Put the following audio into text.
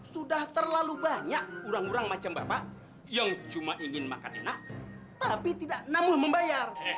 sudah terlalu banyak orang orang macam bapak yang cuma ingin makan enak tapi tidak namu membayar